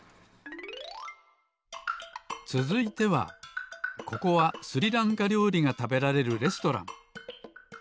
つづいてはここはスリランカりょうりがたべられるレストラン。